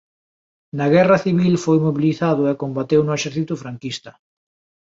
Na guerra civil foi mobilizado e combateu no exército franquista.